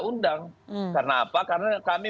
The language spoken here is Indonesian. undang karena apa karena kami